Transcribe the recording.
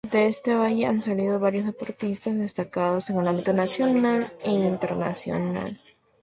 De este valle han salido varios deportistas destacados en el ámbito nacional e internacional.